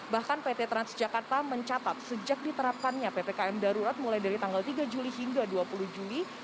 bahkan pt transjakarta mencatat sejak diterapkannya ppkm darurat mulai dari tanggal tiga juli hingga dua puluh juli